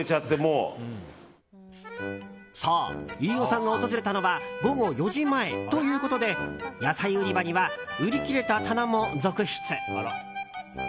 そう、飯尾さんが訪れたのは午後４時前ということで野菜売り場には売り切れた棚も続出。